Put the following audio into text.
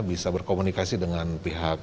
bisa berkomunikasi dengan pihak produsen gitu